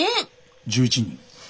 １１人。